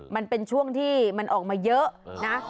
มันเป็นช่วงที่มันออกมาเยอะนะ